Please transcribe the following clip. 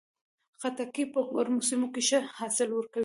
خټکی په ګرمو سیمو کې ښه حاصل ورکوي.